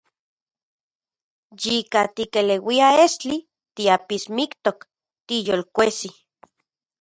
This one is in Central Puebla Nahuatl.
Yika tikeleuia estli, tiapismiktok, tiyolkuejsi.